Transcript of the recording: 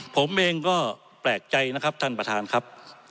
ผมเองก็แปลกใจนะครับท่านประธานครับ